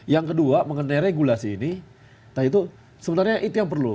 yang kedua mengenai regulasi ini sebenarnya itu yang perlu